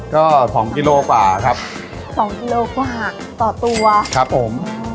ก็สองกิโลกว่าครับสองกิโลกว่าหักต่อตัวครับผม